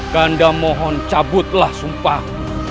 kanda mohon cabutlah sumpah